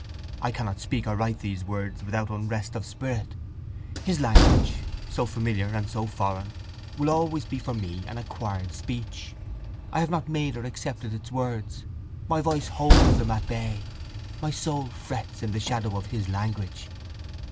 I cannot speak or write these words without unrest of spirit. His language, so familiar and so foreign, will always be for me an acquired speech. I have not made or accepted its words. My voice holds them at bay. My soul frets in the shadow of his language.